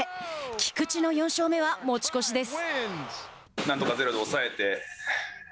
菊池の４勝目は持ち越しです。